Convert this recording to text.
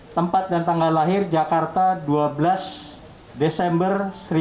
tempat dan tanggal lahir jakarta dua belas desember seribu sembilan ratus empat puluh